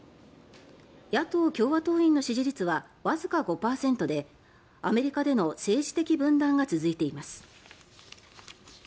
野党・共和党員の支持率はわずか５％でアメリカでの政治的分断が続いています。